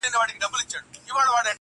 د شپې دي د مُغان په کور کي ووینم زاهده،